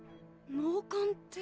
脳幹って。